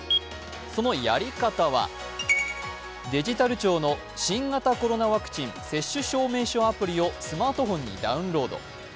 そのやり方はデジタル庁の新型コロナワクチン接種証明書アプリをスマートフォンにダウンロード。